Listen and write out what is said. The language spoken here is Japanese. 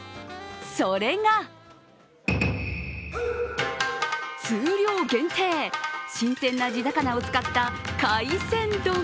それが数量限定、新鮮な地魚を使った海鮮丼。